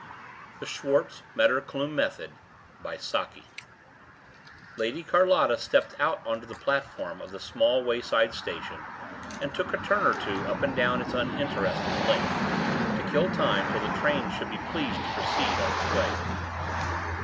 THE SCHARTZ METTERKLUME METHOD Lady Carlotta stepped out on to the platform of the small wayside station and took a turn or two up and down its uninteresting length, to kill time till the train should be pleased to proceed on its way.